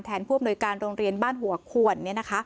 ผู้อำนวยการโรงเรียนบ้านหัวขวน